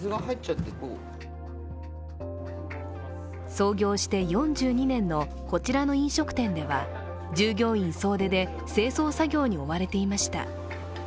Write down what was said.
創業して４２年のこちらの飲食店では、従業員総出で清掃作業に追われていました。